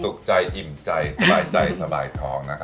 สุขใจอิ่มใจสบายใจสบายท้อง